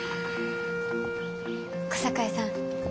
小堺さん